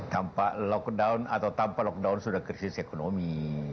tanpa lockdown atau tanpa lockdown sudah krisis ekonomi